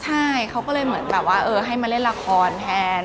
ใช่เขาก็เลยเหมือนแบบว่าให้มาเล่นละครแทน